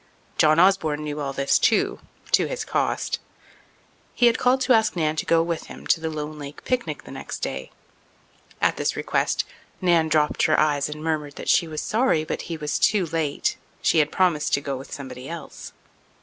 John Osborne knew all this too, to his cost. He had called to ask Nan to go with him to the Lone Lake picnic the next day. At this request Nan dropped her eyes and murmured that she was sorry, but he was too late—she had promised to go with somebody else.